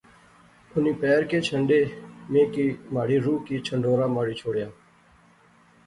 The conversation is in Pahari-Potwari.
انیں پیر کہہ جھنڈے میں کی مہاڑے روح کی چھنڈوڑا ماری شوڑیا